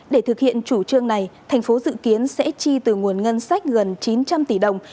để thực hiện chủ trương này thành phố dự kiến sẽ chi từ nguồn ngân sách gần chín trăm linh tỷ đồng